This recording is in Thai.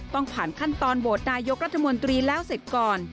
ต้องผ่านขั้นตอนโหวตนายกรัฐมนตรีแล้วเสร็จก่อน